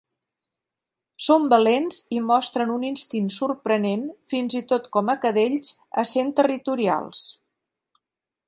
Són valents i mostren un instint sorprenent fins i tot com a cadells essent territorials.